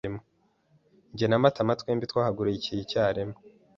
Jye na Matama twembi twahagurukiye icyarimwe.